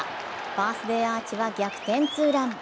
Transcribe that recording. バースデーアーチは逆転ツーラン。